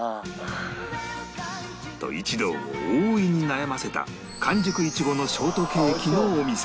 と一同を大いに悩ませた完熟イチゴのショートケーキのお店